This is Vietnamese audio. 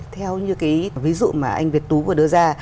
theo như cái ví dụ mà anh việt tú vừa đưa ra